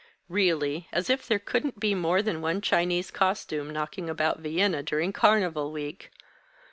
Really, as if there couldn't be more than one Chinese costume knocking about Vienna, during carnival week!